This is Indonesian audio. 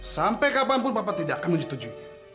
sampai kapanpun papa tidak akan menyetujuinya